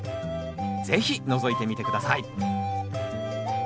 是非のぞいてみて下さい。